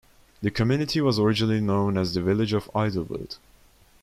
The community was originally known as the village of Idlewood.